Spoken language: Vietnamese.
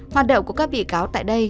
hoạt động của các bị cáo tại đây